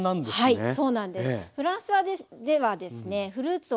はい。